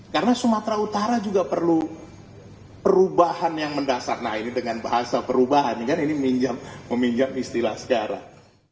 karena sumatera utara juga perlu perubahan yang mendasar nah ini dengan bahasa perubahan ini kan meminjam istilah sekarang